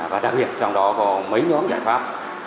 và đặc biệt trong đó có mấy nhóm giải pháp